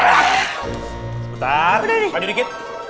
bentar panju dikit